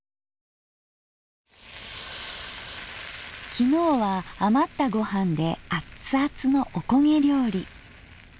昨日は余ったごはんでアッツアツのおこげ料理。